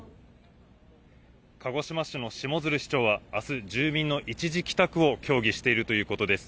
鹿児島市の下鶴市長はあす、住民の一時帰宅を協議しているということです。